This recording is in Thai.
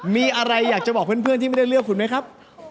มีอะไรอยากจะบอกเพื่อนที่ไม่ได้เลือกคุณไหมครับ